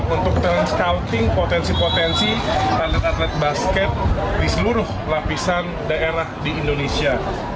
untuk transcouting potensi potensi atlet atlet basket di seluruh lapisan daerah di indonesia